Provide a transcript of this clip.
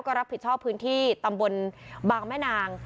ก็รับผิดชอบพื้นที่ตำบลบางแม่นาง